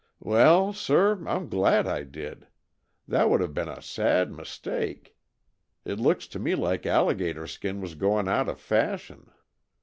"Well, sir, I'm glad I did! That would have been a sad mistake. It looks to me like alligator skin was going out of fashion.